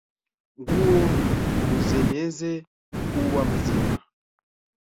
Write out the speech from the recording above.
Nguo kuzeneze uwa mzima.